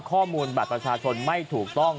ข้อมูลบัตรประชาชนไม่ถูกต้อง